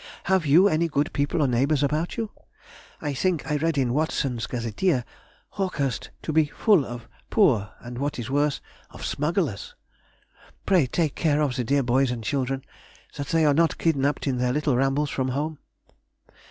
Have you any good people or neighbours about you? I think I read in Watson's Gazetteer, Hawkhurst to be full of poor, and, what is worse, of smugglers. Pray take care of the dear boys and children, that they are not kidnapped in their little rambles from home.